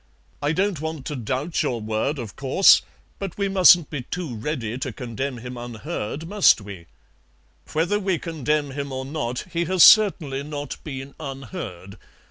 I don't want to doubt your word, of course, but we mustn't be too ready to condemn him unheard, must we?" "Whether we condemn him or not, he has certainly not been unheard.